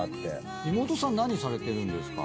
妹さん何されてるんですか？